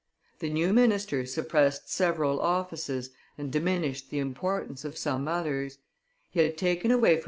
The new minister suppressed several offices and diminished the importance of some others; he had taken away from M.